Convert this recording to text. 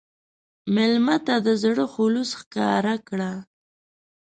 مېلمه ته د زړه خلوص ښکاره کړه.